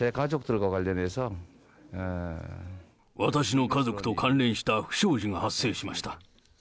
私の家族と関連した不祥事が発生しました。